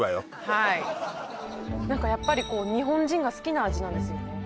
はい何かやっぱりこう日本人が好きな味なんですよね